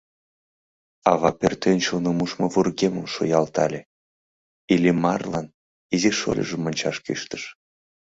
Ава пӧртӧнчылнӧ мушмо вургемым шуялтале, Иллимарлан изи шольыжым ончаш кӱштыш.